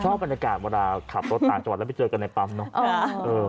บรรยากาศเวลาขับรถต่างจังหวัดแล้วไปเจอกันในปั๊มเนอะ